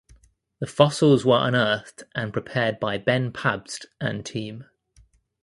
The fossils were unearthed and prepared by Ben Pabst and team.